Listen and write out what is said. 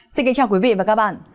xin kính chào quý vị và các bạn